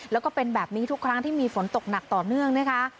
แล้วก็เป็นแบบนี้ทุกครั้งที่มีฝนตกหนักต่อเนื่องนะคะ